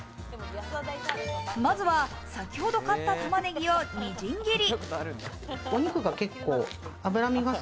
まずは先ほど買った玉ねぎをみじん切り。